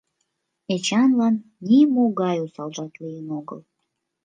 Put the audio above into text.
Эчанлан нимогай осалжат лийын огыл.